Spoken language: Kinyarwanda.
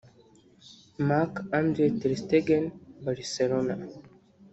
Marc-Andre ter Stegen (Barcelona)